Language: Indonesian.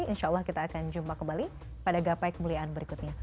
insya allah kita akan jumpa kembali pada gapai kemuliaan berikutnya